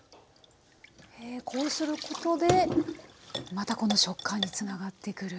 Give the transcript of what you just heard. こうすることでまたこの食感につながってくる。